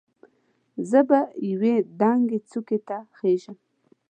زه به یوې دنګې څوکې ته خېژم.